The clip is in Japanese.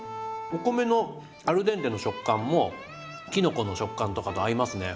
お米のアルデンテの食感もきのこの食感とかと合いますね。